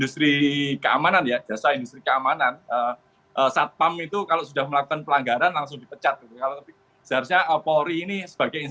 seharusnya ke polisi